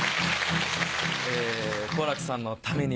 好楽さんのために